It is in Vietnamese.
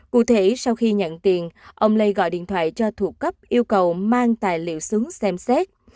cụ thể sau khi nhận tiền ông lê gọi điện thoại cho thuộc cấp yêu cầu mang tài liệu xứng xem xét